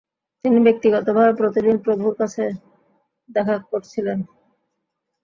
তিনি ব্যক্তিগতভাবে প্রতিদিন প্রভুর কাছে দেখা করছিলেন।